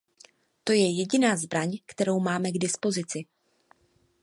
To je jediná zbraň, kterou máme k dispozici.